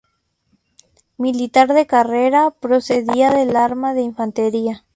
Militar de carrera, procedía del arma de infantería.